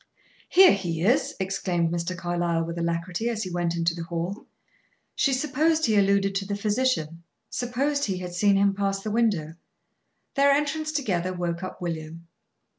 "Here he is!" exclaimed Mr. Carlyle with alacrity, as he went into the hall. She supposed he alluded to the physician supposed he had seen him pass the window. Their entrance together woke up William.